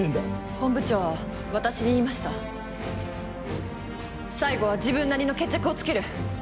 本部長は私に言いました「最後は自分なりの決着をつける」。